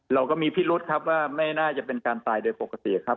เราก็มีพิรุษครับว่าไม่น่าจะเป็นการตายโดยปกติครับ